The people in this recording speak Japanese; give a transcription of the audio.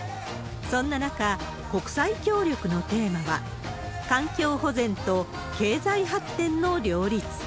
そんな中、国際協力のテーマは、環境保全と経済発展の両立。